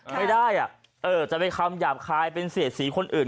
ไม่ได้อ่ะจะเป็นคำหยาบคายเป็นเศรษฐีคนอื่น